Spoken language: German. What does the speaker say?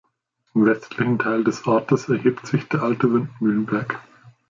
Im westlichen Teil des Ortes erhebt sich der alte Windmühlenberg.